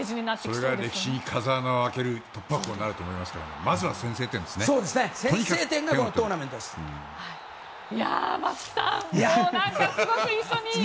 それが歴史に風穴を開ける突破口になると思いますからまずは先制点ですね。